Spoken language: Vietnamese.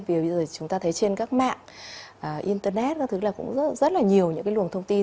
vì bây giờ chúng ta thấy trên các mạng internet các thứ là cũng rất là nhiều những cái luồng thông tin